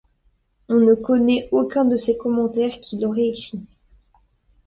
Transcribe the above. On ne connait aucun de ces commentaires qu'il aurait écrits.